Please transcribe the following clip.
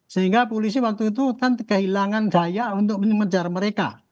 sehingga polisi waktu itu kan kehilangan daya untuk mengejar mereka